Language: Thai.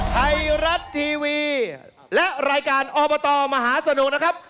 ไทยรัฐทีวีและรายการอบตมหาสนุกนะครับ